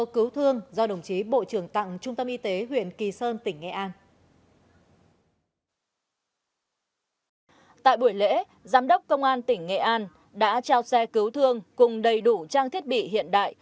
công an tỉnh nghệ an đã trao xe cứu thương cùng đầy đủ trang thiết bị hiện đại